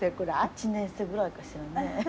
１年生ぐらいかしらね。